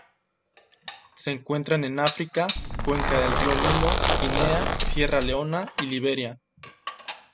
Se encuentran en África: cuenca del río Nilo, Guinea, Sierra Leona y Liberia.